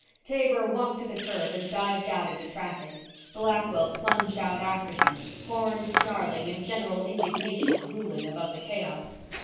Taber walked to the curb and dived out into traffic. Blackwell plunged out after him, horns snarling and general indignation ruling above the chaos.